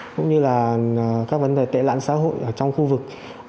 cũng như là các vấn đề tệ lạn xã hội ở trong khu vực